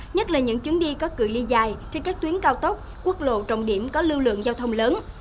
nhất là những chuyến đi có cửa ly dài trên các tuyến cao tốc quốc lộ trọng điểm có lưu lượng giao thông lớn